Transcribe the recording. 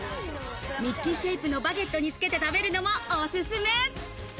ミッキーシェイプのバゲットにつけて食べるのもおすすめ。